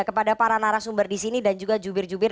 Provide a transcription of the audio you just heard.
kepada para narasumber disini dan juga jubir jubirnya